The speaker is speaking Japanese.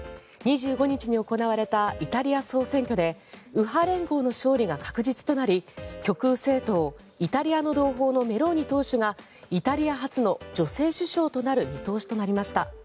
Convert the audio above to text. ２５日に行われたイタリア総選挙で右派連合の勝利が確実となり極右政党、イタリアの同胞のメローニ党首がイタリア初の女性首相となる見通しとなりました。